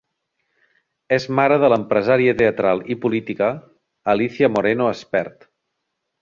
És mare de l'empresària teatral i política Alícia Moreno Espert.